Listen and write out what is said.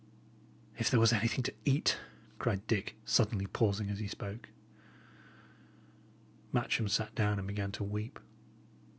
"If there were anything to eat!" cried Dick, suddenly, pausing as he spoke. Matcham sat down and began to weep.